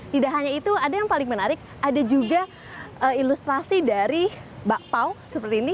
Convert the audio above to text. tidak hanya itu ada yang paling menarik ada juga ilustrasi dari bakpao seperti ini